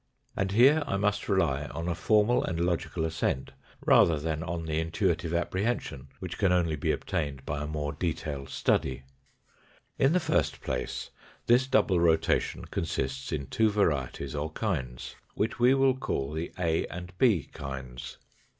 And here I must rely on a formal and logical assent rather than on the intuitive apprehension, which can only be obtained by a more detailed study. In the first place this double rotation consists in two varieties or kinds, which we will call the A and B kinds.